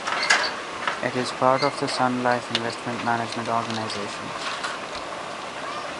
It is part of the Sun Life Investment Management organization.